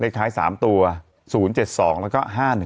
เล็กท้าย๓ตัว๐๗๒แล้วก็๕๑๗